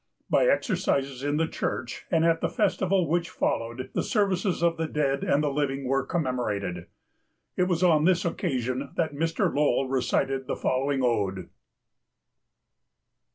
By exercises in the church and at the festival which followed, the services of the dead and the living were commemorated. It was on this occasion that Mr. Lowell recited the following ode.